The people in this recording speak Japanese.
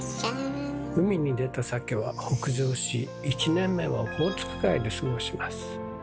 海に出たサケは北上し１年目はオホーツク海で過ごします。